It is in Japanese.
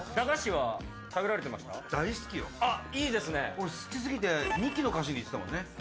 俺、好きすぎて二木の菓子に行ってたもんね。